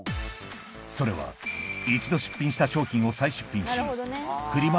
それは一度出品した商品を再出品しフリマ